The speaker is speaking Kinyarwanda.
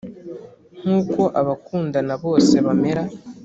nkuko abakundana bose bamera